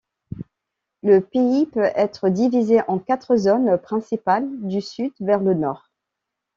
Le pays peut être divisé en quatre zones principales du sud vers le nord.